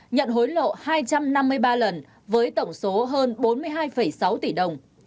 nhận hối lộ hai trăm năm mươi ba lần với tổng số hơn bốn mươi hai sáu tỷ đồng